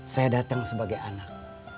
saya datang sebagai anak